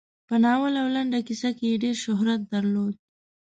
په ناول او لنډه کیسه کې یې ډېر شهرت درلود.